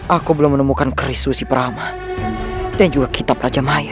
aku belum menemukan kristusi prama dan juga kitab raja maya